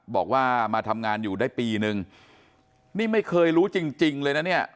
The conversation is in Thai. บอกว่ามาทำงานอยู่ได้ปีนึงนี่ไม่เคยรู้จริงจริงเลยนะเนี่ย